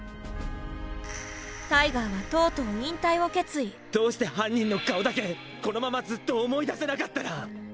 タイガーはとうとうどうして犯人の顔だけこのままずっと思い出せなかったら。